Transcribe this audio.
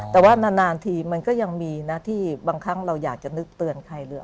แต่ว่านานทีมันก็ยังมีนะที่บางครั้งเราอยากจะนึกเตือนใครเลย